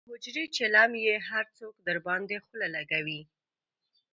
د حجرې چیلم یې هر څوک درباندې خله لکوي.